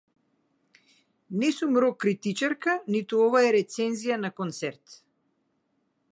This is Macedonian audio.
Не сум рок критичарка, ниту ова е рецензија на концерт.